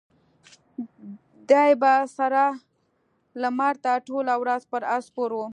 دی به سره لمر ته ټوله ورځ پر آس سپور و.